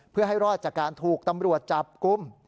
เพื่อให้รอดจากการถูกตำรวจจับกลุ่ม